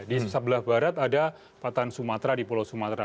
di sebelah barat ada patan sumatera di pulau sumatera